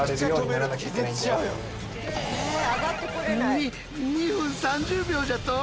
２２分３０秒じゃと！？